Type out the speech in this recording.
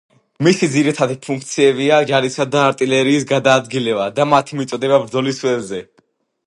მისი ძირითადი ფუნქციებია ჯარისა და არტილერიის გადაადგილება და მათი მიწოდება ბრძოლის ველზე.